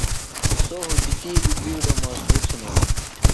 سوۡ ہُجتی بیۡ بِیڈو مضبُط ہِنوۡ۔